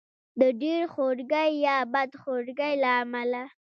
د ډېر خورګۍ یا بد خورګۍ له امله.